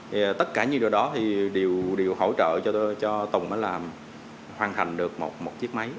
thì tất cả những điều đó thì đều hỗ trợ cho tùng mới làm hoàn thành được một chiếc máy